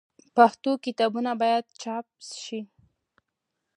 پښتو کتابونه باید چاپ سي.